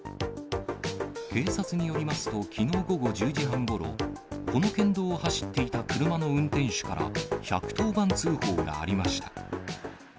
警察によりますと、きのう午後１０時半ごろ、この県道を走っていた車の運転手から、１１０番通報がありました。